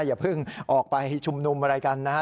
อย่าเพิ่งออกไปชุมนุมอะไรกันนะฮะ